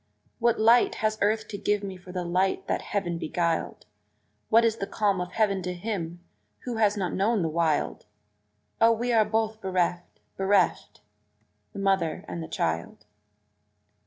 What light has earth to give me for the light that heaven beguiled? What is the calm of heaven to him who has not known the wild? O, we are both bereft, bereft the mother and the child!